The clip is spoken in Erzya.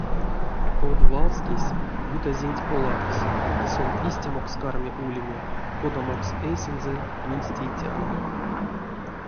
Од валскесь — ютазенть поладкс, ды сон истямокс карми улеме, кодамокс эйсэнзэ минсь тейтяно.